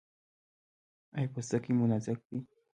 ایا پوستکی مو نازک دی؟